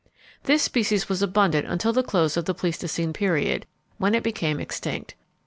This species was abundant until the close of the Pleistocene period, when it became extinct.